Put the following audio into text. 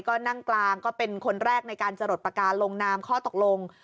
ก็นั่งกลางก็เป็นคนแรกในการจะหลดปากกาลงนามข้อตกลง